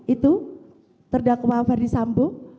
itu terdakwa verdi sambo